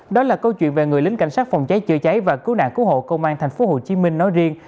đó là câu chuyện về người lính cảnh sát phòng cháy chữa cháy và cứu nạn cứu hộ công an tp hcm nói riêng